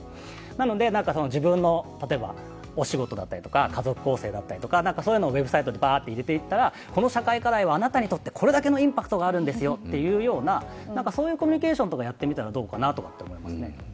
なので、自分のお仕事だったりとか家族構成だったり、そういうのをウェブサイトに入れていったらこの社会課題は、あなたにとってこれだけのインパクトがあるんですよというような、そういうコミュニケーションとかやってみたらどうかなと思いますね。